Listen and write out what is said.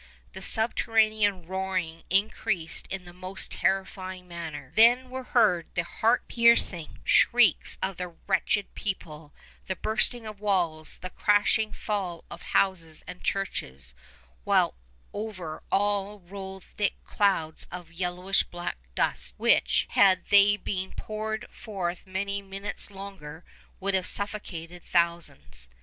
The subterranean roaring increased in the most terrifying manner: then were heard the heart piercing shrieks of the wretched people, the bursting of walls, the crashing fall of houses and churches, while over all rolled thick clouds of a yellowish black dust, which, had they been poured forth many minutes longer, would have suffocated thousands.